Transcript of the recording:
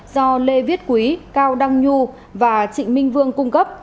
do lê viết quý cao đăng nhu và trịnh minh vương cung cấp